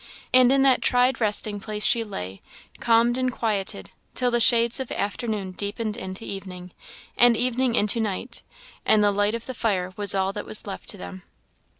And in that tried resting place she lay, calmed and quieted, till the shades of afternoon deepened into evening, and evening into night, and the light of the fire was all that was left to them.